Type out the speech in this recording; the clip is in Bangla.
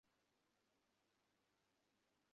তাঁর কাছে কোনো ঠিকানা নেই।